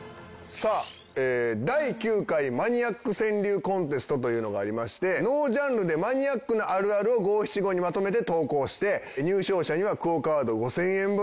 第９回マニアック川柳コンテストというのがありましてノージャンルでマニアックなあるあるを五・七・五にまとめて投稿して入賞者にはＱＵＯカード５０００円分。